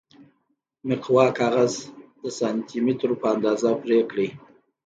مقوا کاغذ د سانتي مترو په اندازه پرې کړئ.